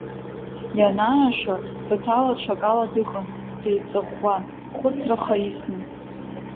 Ианааша Баҭал аҽакала дыҟан, деиҵаӷәӷәа, хәыцраха исны.